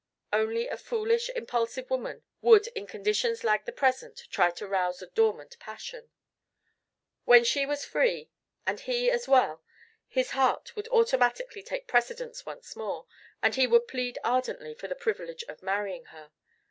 Only a foolish impulsive woman would in conditions like the present try to rouse a dormant passion. When she was free, and he as well, his heart would automatically take precedence once more and he would plead ardently for the privilege of marrying her.